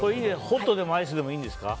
ホットでもアイスでもいいんですか？